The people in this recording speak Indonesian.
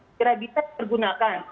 segera bisa digunakan